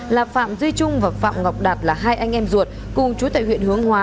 là phạm duy trung và phạm ngọc đạt là hai anh em ruột cùng chú tại huyện hướng hóa